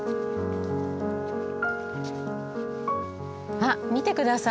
あっ見て下さい。